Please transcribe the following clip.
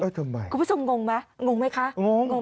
คุณผู้ชมงงไหมงงไหมคะงง